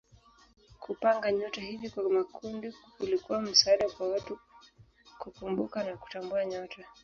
Kupanga nyota hivi kwa makundi kulikuwa msaada kwa watu kukumbuka na kutambua nyota.